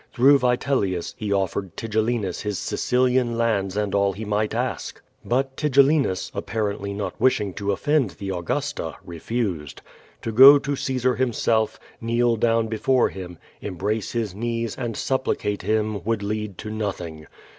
Through A'itelius, he offered Tigellinus his Sicil ian lands and all he might ask. But Tigellinus, apparently jj«)t wishing to offend the Augus ta, refused. To go to Caesar himself, kneel down before him, embrace his knees, and sup l)licate him, would lead to nothing.